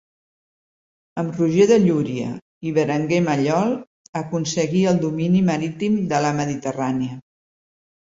Amb Roger de Llúria i Berenguer Mallol, aconseguí el domini marítim de la Mediterrània.